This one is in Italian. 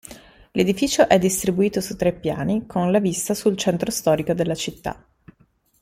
L'edificio è distribuito su tre piani, con la vista sul centro storico della città.